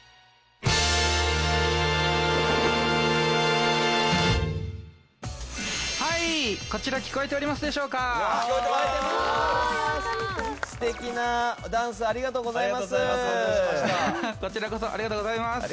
ハハハこちらこそありがとうございます。